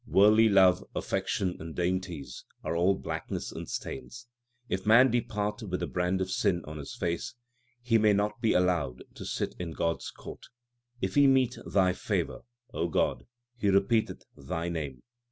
Worldly love, affection, and dainties Are all blackness and stains. If man depart with the brand of sin on his face, He will not be allowed to sit in God s court. If he meet Thy favour, God, he repeateth Thy name.